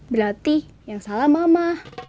berarti yang salah mama